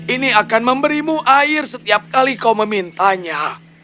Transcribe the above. ini akan memberimu air setiap kali kau memintanya